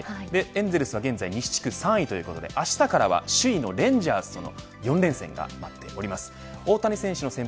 エンゼルスは現在西地区３位ということで、あしたからは首位のレンジャースとの４連戦が待っております。